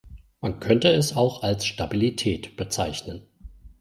Man könnte es auch als Stabilität bezeichnen.